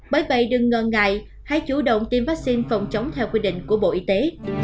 bởi vậy đừng ngần ngại hãy chủ động tiêm vaccine phòng chống theo quy định của bộ y tế